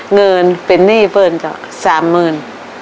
เงินเป็นหนี้เพลินจ้ะสามหมื่น